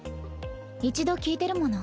一度聞いてるもの